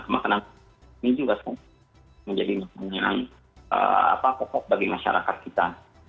makanan ini juga menjadi makanan pokok bagi masyarakat kita